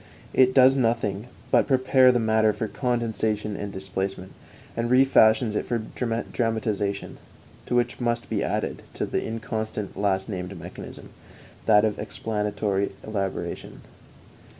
It does nothing but prepare the matter for condensation and displacement, and refashions it for dramatization, to which must be added the inconstant last named mechanism that of explanatory elaboration.